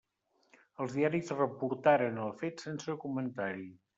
Els diaris reportaren el fet sense comentari.